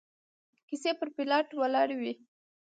کيسې پر پلاټ ولاړې وي